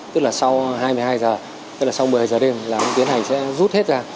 tức là sau hai mươi hai h tức là sau một mươi hai h đêm là ông tiến hành sẽ rút hết ra